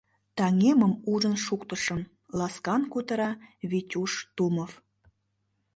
— Таҥемым ужын шуктышым, — ласкан кутыра Витюш Тумов.